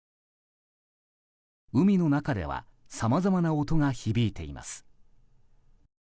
海の中ではさまざまな音が響いています。